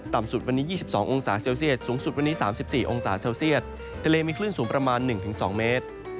สุดวันนี้๒๒องศาเซลเซียตสูงสุดวันนี้๓๔องศาเซลเซียตทะเลมีคลื่นสูงประมาณ๑๒เมตร